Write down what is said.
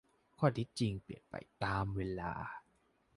ข้อเท็จจริงเปลี่ยนไปตามเวลา